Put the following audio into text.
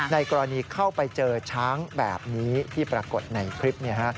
ในกรณีเข้าไปเจอช้างแบบนี้ที่ปรากฏในคลิป